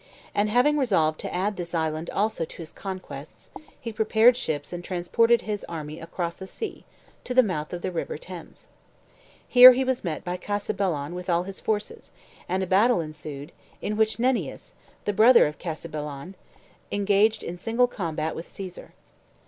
And having resolved to add this island also to his conquests, he prepared ships and transported his army across the sea, to the mouth of the River Thames. Here he was met by Cassibellaun with all his forces, and a battle ensued, in which Nennius, the brother of Cassibellaun, engaged in single combat with Csesar.